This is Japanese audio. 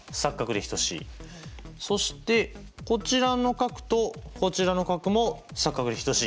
そしてこちらの角とこちらの角も錯角で等しい。